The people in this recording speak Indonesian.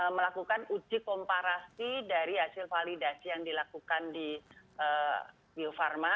melakukan uji komparasi dari hasil validasi yang dilakukan di bio farma